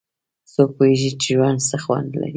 څوک پوهیږي چې ژوند څه خوند لري